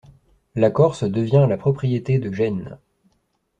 La Corse devient la propriété de Gênes.